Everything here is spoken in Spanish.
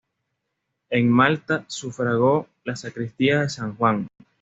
En Malta sufragó la sacristía de San Juan.